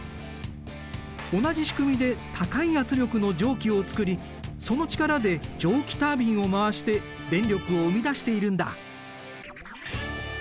同じ仕組みで高い圧力の蒸気を作りその力で蒸気タービンを回して電力を生み出しているんだ。